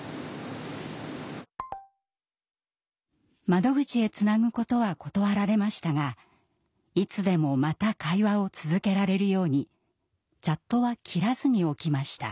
窓口へつなぐことは断られましたがいつでもまた会話を続けられるようにチャットは切らずにおきました。